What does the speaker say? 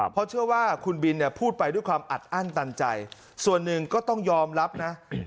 เพราะเชื่อว่าคุณบินเนี่ยพูดไปด้วยความอัดอั้นตันใจส่วนหนึ่งก็ต้องยอมรับนะ